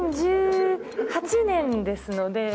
２０１８年ですので。